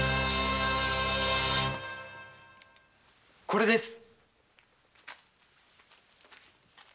これです。